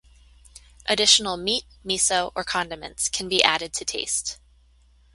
Additional meat miso or condiments can be added to taste.